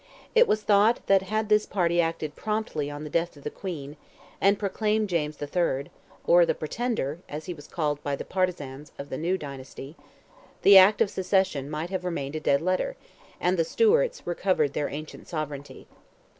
It was thought that had this party acted promptly on the death of the Queen, and proclaimed James III. (or "the Pretender," as he was called by the partisans of the new dynasty), the Act of Succession might have remained a dead letter, and the Stuarts recovered their ancient sovereignty.